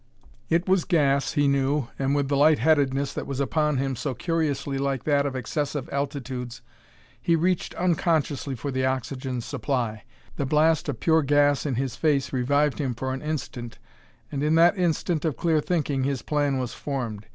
It was gas, he knew, and with the light headedness that was upon him, so curiously like that of excessive altitudes, he reached unconsciously for the oxygen supply. The blast of pure gas in his face revived him for an instant, and in that instant of clear thinking his plan was formed.